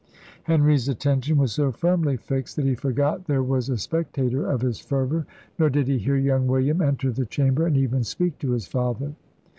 Henry's attention was so firmly fixed that he forgot there was a spectator of his fervour; nor did he hear young William enter the chamber and even speak to his father.